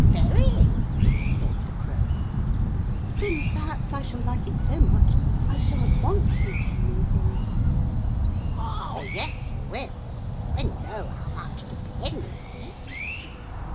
'Very,' said the Crow. 'Then perhaps I shall like it so much I sha'n't want to be taming things.' 'Oh yes, you will, when you know how much depends on it.'